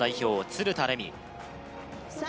鶴田玲美